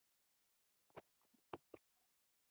د هرې پاڼې لاندې د ونې نوم او ځانګړتیا ولیکئ په پښتو ژبه.